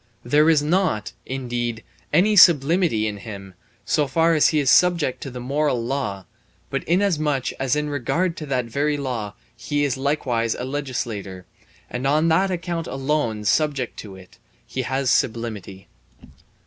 There is not, indeed, any sublimity in him, so far as he is subject to the moral law; but inasmuch as in regard to that very law he is likewise a legislator, and on that account alone subject to it, he has sublimity.